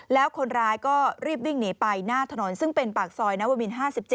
แล้วคนร้ายก็รีบวิ่งหนีไปหน้าถนนซึ่งเป็นปากซอยนวมิน๕๗